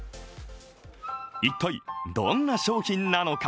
一体どんな商品なのか。